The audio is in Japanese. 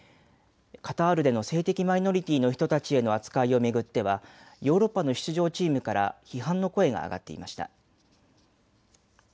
カタールでの性的マイノリティーの人たちへの扱いを巡ってはヨーロッパの出場チームから批判の声が上がっていました。